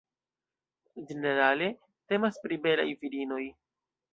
Ĝenerale temas pri belaj virinoj.